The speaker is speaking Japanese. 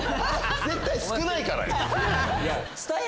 絶対少ないからよ！